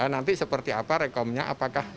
nanti seperti apa rekomenya apakah masuk